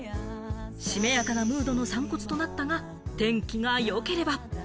しめやかなムードの散骨となったが、天気がよければ。